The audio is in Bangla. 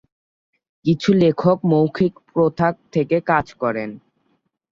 কিছু লেখক মৌখিক প্রথা থেকে কাজ করেন।